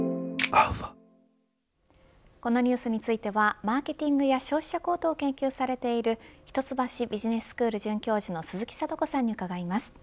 このニュースについてはマーケティングや消費者行動を研究されている一橋大学ビジネススクール准教授の鈴木智子さんに伺います。